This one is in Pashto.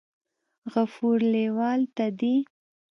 غفور لیوال ته دې